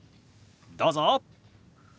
どうぞ。